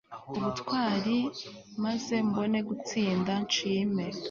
ubutwari, maze mbone gutsinda, nshime